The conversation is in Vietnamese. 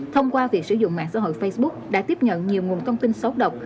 thông qua việc sử dụng mạng xã hội facebook đã tiếp nhận nhiều nguồn thông tin xấu độc